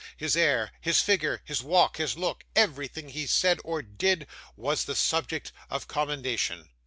His air, his figure, his walk, his look, everything he said or did, was the subject of commendation.